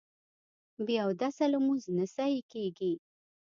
بې اودسه لمونځ نه صحیح کېږي